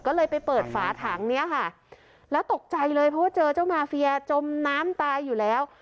ก็เลยไปเปิดฝาถังเนี้ยค่ะแล้วตกใจเลยเพราะว่าเจอเจ้ามาเฟียจมน้ำตายอยู่แล้ว